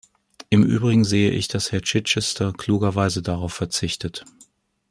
Im übrigen sehe ich, dass Herr Chichester klugerweise darauf verzichtet.